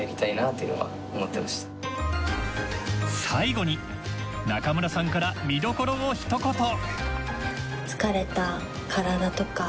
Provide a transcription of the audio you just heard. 最後に中村さんから見どころを一言！